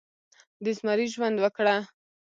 د زمري ژوند وکړه